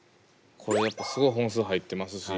これやっぱすごい本数入ってますし。